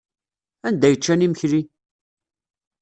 Anda ay ččan imekli?